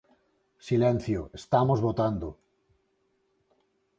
Silencio, estamos votando.